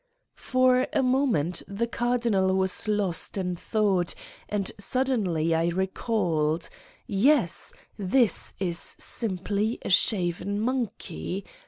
For a moment the cardinal was lost in thought and suddenly I recalled: Yes, this is simply a shaven monkey!